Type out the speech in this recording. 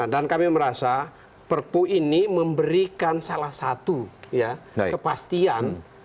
dan kami merasa perpu ini memberikan salah satu kepastian